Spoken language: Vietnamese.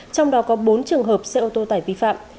trong đó có bốn trường hợp xe ô tô tải vi phạm